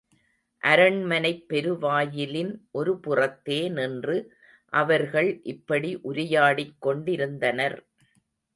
அரண்மனைப் பெருவாயிலின் ஒருபுறத்தே நின்று அவர்கள் இப்படி உரையாடிக் கொண்டிருந்தனர்.